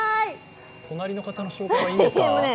隣の方の紹介はいいんですか？